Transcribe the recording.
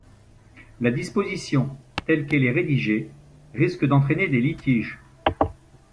La disposition, telle qu’elle est rédigée, risque d’entraîner des litiges.